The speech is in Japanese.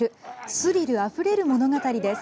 スリルあふれる物語です。